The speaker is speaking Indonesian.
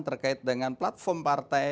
terkait dengan platform partai